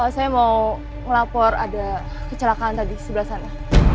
saya mau melapor ada kecelakaan tadi sebelah sana